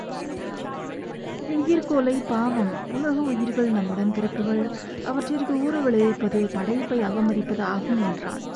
உயிர்க்கொலை பாவம் உலக உயிர்கள் நம் உடன் பிறப்புகள் அவற்றிற்கு ஊறு விளைவிப்பது படைப்பை அவமதிப்பது ஆகும் என்றான்.